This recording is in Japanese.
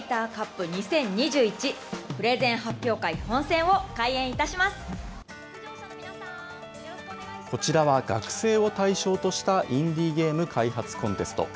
プレゼン発表会、こちらは学生を対象としたインディーゲーム開発コンテスト。